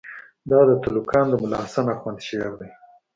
دا د تُلُقان د ملاحسن آخوند شعر دئ.